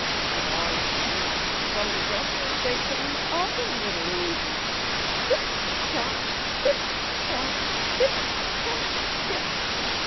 But all at once, from the dresser, there came other little noises Tip tap, tip tap, tip tap tip!